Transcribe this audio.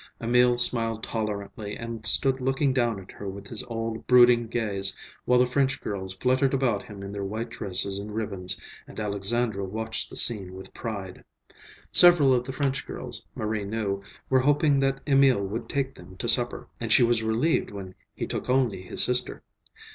Emil smiled tolerantly and stood looking down at her with his old, brooding gaze, while the French girls fluttered about him in their white dresses and ribbons, and Alexandra watched the scene with pride. Several of the French girls, Marie knew, were hoping that Emil would take them to supper, and she was relieved when he took only his sister.